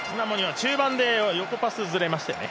中盤で横パスがずれましたよね。